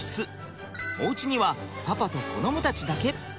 おうちにはパパと子どもたちだけ。